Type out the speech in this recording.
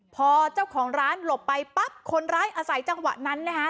พอเจ้าของร้านหลบไปปั๊บคนร้ายอาศัยจังหวะนั้นนะฮะ